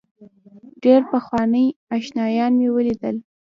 ډېر پخواني آشنایان مې ولیدل.